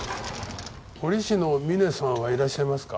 彫師の峰さんはいらっしゃいますか？